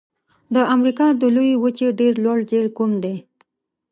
د امریکا د لویې وچې ډېر لوړ جهیل کوم دی؟